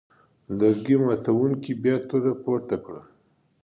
لرګي ماتوونکي بیا توره پورته کړه.